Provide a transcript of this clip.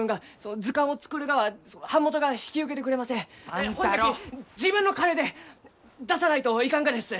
ほんじゃき自分の金で出さないといかんがです！